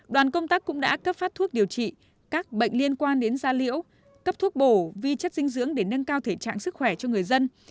đoàn công tác cũng đã cấp phát thuốc điều trị các bệnh liên quan đến da liễu cấp thuốc bổ vi chất dinh dưỡng để nâng cao thể trạng sức khỏe cho người dân